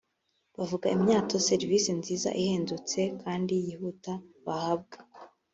bavuga imyato serivisi nziza ihendutse kandi yihuta bahabwa